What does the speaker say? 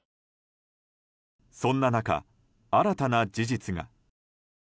そんな中、新たな事実が。